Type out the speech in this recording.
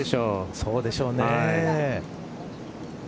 そうでしょうね。